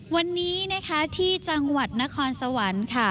วันนี้นะคะที่จังหวัดนครสวรรค์ค่ะ